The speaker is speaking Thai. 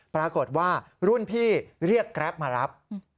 ปรากฏว่ารุ่นพี่เรียกแกรปมารับ